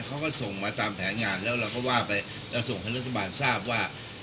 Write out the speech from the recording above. เขาก็ส่งมาตามแผนงานแล้วเราก็ว่าไปเราส่งให้รัฐบาลทราบว่า